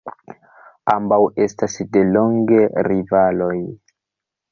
Ambaŭ estas delonge rivaloj.